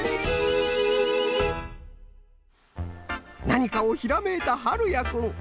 なにかをひらめいたはるやくん。